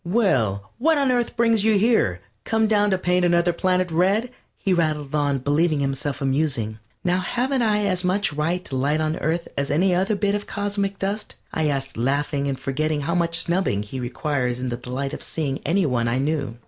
"Well, what on Earth brings you here? Come down to paint another planet red?" he rattled on, believing himself amusing. "Now haven't I as much right to light on Earth as on any other bit of cosmic dust?" I asked, laughing and forgetting how much snubbing he requires in the delight of seeing any one I knew.